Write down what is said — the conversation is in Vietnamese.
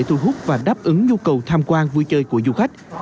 ứng ứng nhu cầu tham quan vui chơi của du khách